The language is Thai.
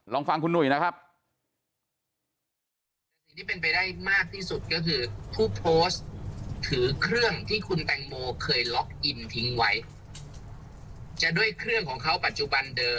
ลองฟังคุณหนุ่ยนะครับ